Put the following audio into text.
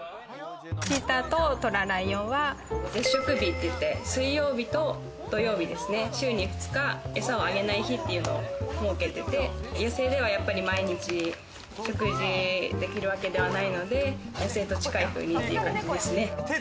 チーターと虎、ライオンは絶食日っていって、水曜日と土曜日ですね、週に２日、餌をあげない日というのを設けてて、野生ではやっぱり毎日食事できるわけではないので、野生と近いふうにという感じですね。